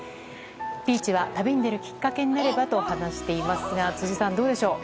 ピーチは旅に出るきっかけになればと話していますが辻さん、どうですか？